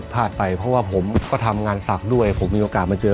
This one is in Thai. ไปเพราะว่าผมก็ทำงานศักดิ์ด้วยผมมีโอกาสมาเจอ